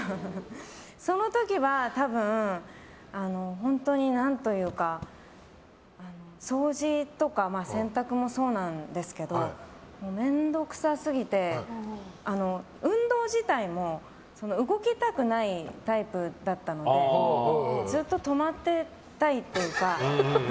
その時は多分、掃除とか洗濯もそうなんですけど面倒くさすぎて運動自体も動きたくないタイプだったのでずっと止まってたいっていうか。